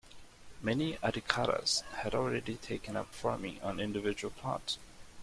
Many Arikaras had already taken up farming on individual plots.